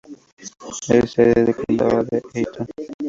Es sede del condado de Eaton.